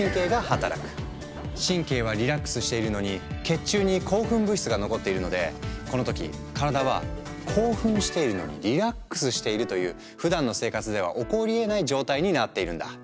神経はリラックスしているのに血中に興奮物質が残っているのでこの時体は「興奮しているのにリラックスしている」というふだんの生活では起こりえない状態になっているんだ。